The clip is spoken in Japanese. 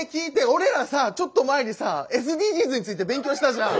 俺らさちょっと前にさＳＤＧｓについて勉強したじゃん。